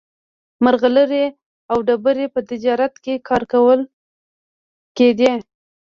مرغلرې او ډبرې په تجارت کې کارول کېدې.